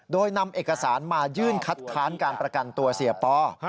โดยนำเอกสารมายื่นคัดค้านการประกันตัวเสียปอ